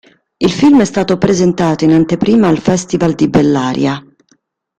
Il film è stato presentato in anteprima al Festival di Bellaria.